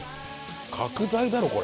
角材だろこれ。